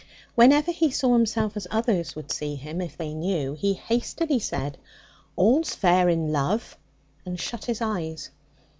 Whenever he saw himself as others would see him if they knew, he hastily said, 'All's fair in love,' and shut his eyes.